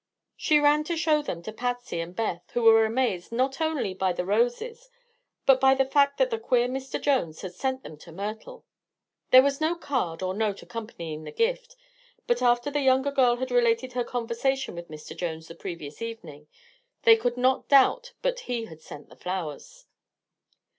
She ran to show them to Patsy and Beth, who were amazed not only by the roses but by the fact that the queer Mr. Jones had sent them to Myrtle. There was no card or note accompanying the gift, but after the younger girl had related her conversation with Mr. Jones the previous evening, they could not doubt but he had sent the flowers.